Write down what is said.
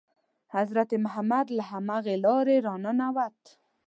حضرت محمد له همغې لارې را ننووت.